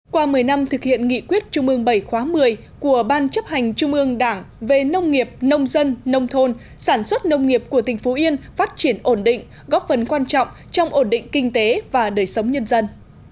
qua một mươi năm thực hiện nghị quyết trung ương bảy khóa một mươi của ban chấp hành trung ương đảng về nông nghiệp nông dân nông thôn sản xuất nông nghiệp của tỉnh phú yên phát triển ổn định góp phần quan trọng trong ổn định kinh tế và đời sống nhân dân